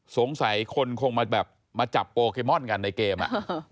สงสัยคนคงมาจับโปเคมอนด์กันในเกมอะ